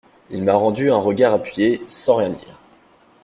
Il m’a rendu un regard appuyé sans rien dire.